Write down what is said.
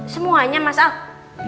semuanya mas al